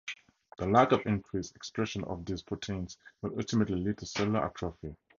The lack of increased expression of these proteins will ultimately lead to cellular atrophy.